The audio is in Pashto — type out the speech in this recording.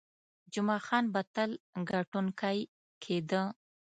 جمعه خان به تل ګټونکی کېده.